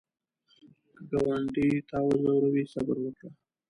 که ګاونډي تا وځوروي، صبر وکړه